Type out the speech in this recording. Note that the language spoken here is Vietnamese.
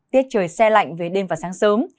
tiết trời xe lạnh về đêm và sáng sớm